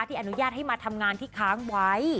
อนุญาตให้มาทำงานที่ค้างไว้